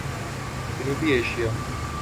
جنوبی ایشیا